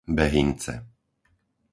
Behynce